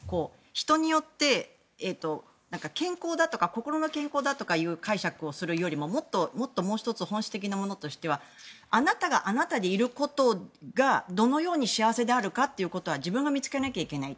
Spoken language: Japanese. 人によって健康だとか心の健康だとかいう解釈をするよりももっと、もう１つ本質的なものとしてはあなたがあなたでいることがどのように幸せであるかということは自分が見つけなきゃいけない。